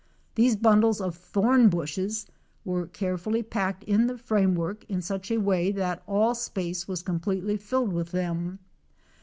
These bundles of thorn bushes were carefully packed in the frame work in such a way that all space was completely filled with them.